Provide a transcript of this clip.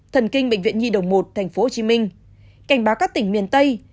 thần kinh bệnh viện nhi đồng một tp hcm cảnh báo các tỉnh miền tây